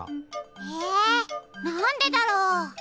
えなんでだろう？